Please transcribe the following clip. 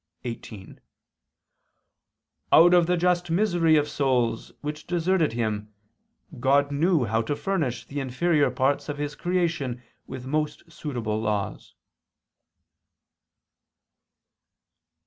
xviii): Out of the just misery of the souls which deserted Him, God knew how to furnish the inferior parts of His creation with most suitable laws."